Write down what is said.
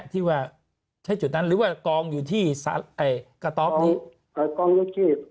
ที่ว่าใช้จุดนั้นหรือว่ากองอยู่ที่สาไอ้กระต๊อบนี้อ่ากองอยู่ที่